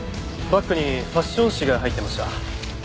バッグにファッション誌が入ってました。